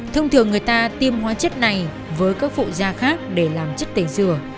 thông thường người ta tiêm hóa chất này với các phụ da khác để làm chất tẩy rửa